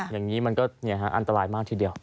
อย่างนี้มันก็อันตรายมากทีเดียว